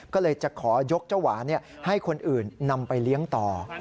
ก็เลยจะขอยกเจ้าหวานให้คนอื่นนำไปเลี้ยงต่อ